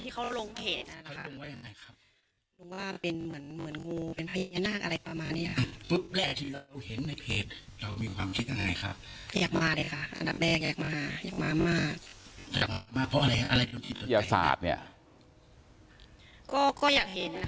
ก็อยากเห็นนะคะ